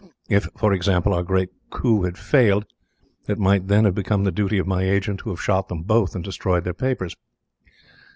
If, for example, our great coup had failed, it would then have become the duty of my agent to have shot them both and destroyed their papers.